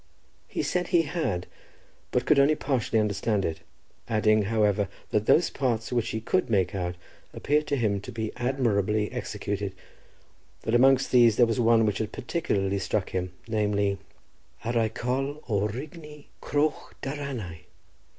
He said he had, but could only partially understand it, adding, however, that those parts which he could make out appeared to him to be admirably executed, that amongst these there was one which had particularly struck him, namely: "Ar eu col o rygnu croch Daranau."